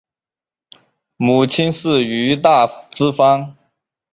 母亲是于大之方。